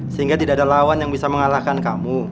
sehingga tidak ada lawan yang bisa mengalahkan kamu